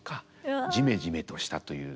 「ジメジメとした」という。